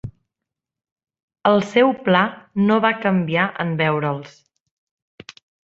El seu pla no va canviar en veure'ls.